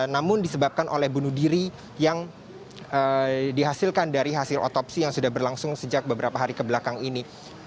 namun disebabkan oleh bunuh diri yang dihasilkan dari hasil otopsi yang sudah berlangsung sejak beberapa hari kebelakang ini